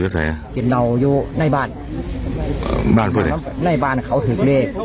ก็แสไงกินใหนยูนั่นบ้านบ้านบ้านเขาถึงเลข